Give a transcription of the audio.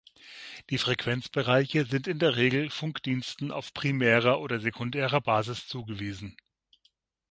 Die Frequenzbereiche sind in der Regel Funkdiensten auf primärer oder sekundärer Basis zugewiesen.